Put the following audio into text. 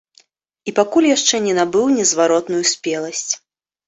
І пакуль яшчэ не набыў незваротную спеласць.